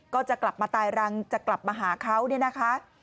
ก็จะกลับมาตายรังจะกลับมาหาเขาเนี่ยนะคะ